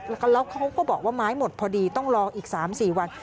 แล้วเขาก็บอกว่าไม้หมดพอดีต้องรออีก๓๔วัน